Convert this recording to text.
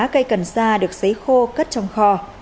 cây cần xa được xấy khô cất trong kho